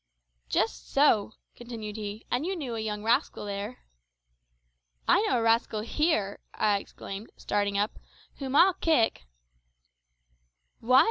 "Just so," continued he, "and you knew a young rascal there " "I know a rascal here," I exclaimed, starting up, "whom I'll kick " "What!"